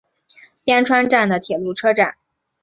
边川站的铁路车站。